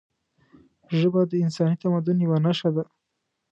ژبه د انساني تمدن یوه نښه ده